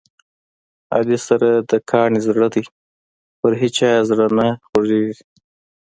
علي سره د کاڼي زړه دی، په هیچا یې زړه نه خوګېږي.